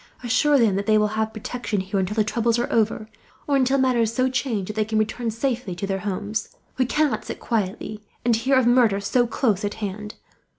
Assure them that they shall have protection here until the troubles are over, or until matters so change that they can return safely to their homes. We cannot sit quietly, and hear of murder so close at hand.